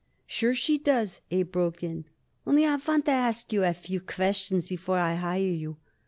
"Sure she does," Abe broke in. "Only I want to ask you a few questions before I hire you.